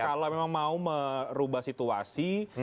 kalau memang mau merubah situasi